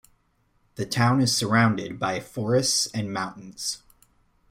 The town is surrounded by forests and mountains.